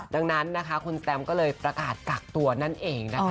ดังนั้นนะคะคุณแตมก็เลยประกาศกักตัวนั่นเองนะคะ